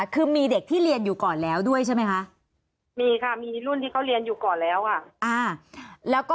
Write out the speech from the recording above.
คือมีเด็กที่เรียนอยู่ก่อนแล้วด้วยใช่ไหมคะ